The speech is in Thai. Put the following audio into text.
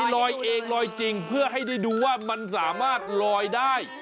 ลอยเองลอยจริงเพื่อให้ได้ดูว่ามันสามารถลอยได้